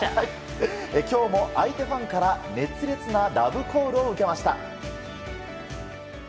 今日も相手ファンから熱烈なラブコールを受けました。